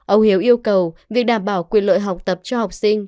ông hiếu yêu cầu việc đảm bảo quyền lợi học tập cho học sinh